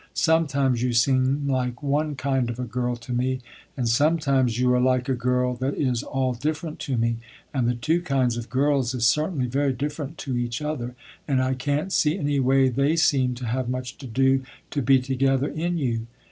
Sometimes you seem like one kind of a girl to me, and sometimes you are like a girl that is all different to me, and the two kinds of girls is certainly very different to each other, and I can't see any way they seem to have much to do, to be together in you.